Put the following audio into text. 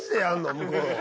向こうは。